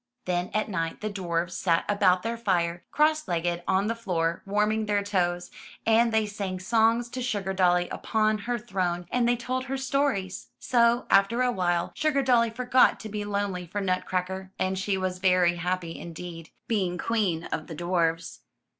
Then, at night, the dwarfs sat about their fire, crosslegged on the floor, warming their toes, and they sang songs to Sugardolly upon her throne, and they told her stories. So, after a while, Sugardolly forgot to be lonely for Nutcracker, and she was very happy indeed, being queen of the dwarfs.